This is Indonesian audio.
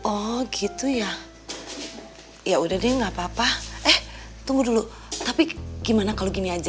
oh gitu ya yaudah deh gak apa apa eh tunggu dulu tapi gimana kalau gini aja